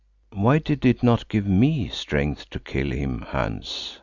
"Why did it not give me strength to kill him, Hans?